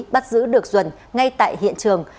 bắt giữ được duẩn ngay tại hiện trường